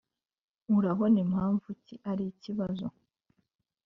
urabona impamvu iki ari ikibazo?